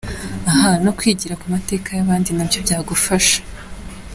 Aha no kwigira ku mateka y’abandi nabyo byagufasha!.